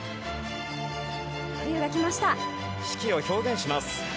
四季を表現します。